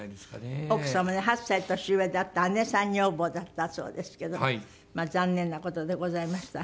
奥様ね８歳年上であった姉さん女房だったそうですけど残念な事でございました。